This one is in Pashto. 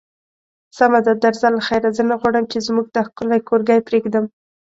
سمه ده، درځه له خیره، زه نه غواړم چې زموږ دا ښکلی کورګی پرېږدم.